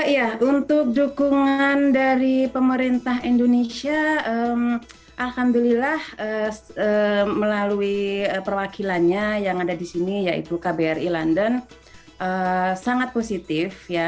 ya untuk dukungan dari pemerintah indonesia alhamdulillah melalui perwakilannya yang ada di sini yaitu kbri london sangat positif